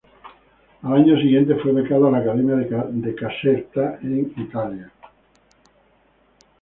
Al año siguiente fue becado a la Academia de Caserta en Italia.